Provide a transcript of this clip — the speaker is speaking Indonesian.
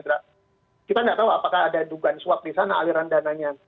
kita tidak tahu apakah ada dugaan suap di sana aliran dananya